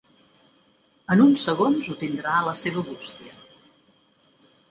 En uns segons ho tindrà a la seva bústia.